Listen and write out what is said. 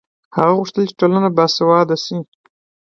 هغه غوښتل چې ټولنه باسواده شي.